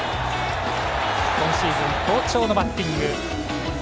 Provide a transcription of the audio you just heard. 今シーズン好調のバッティング。